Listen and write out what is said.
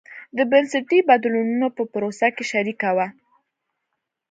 د بنسټي بدلونونو په پروسه کې شریکه وه.